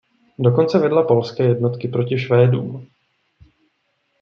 Dokonce vedla polské jednotky proti Švédům.